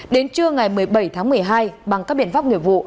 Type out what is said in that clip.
đến trưa ngày một mươi bảy tháng một mươi hai bằng các biện pháp nghiệp vụ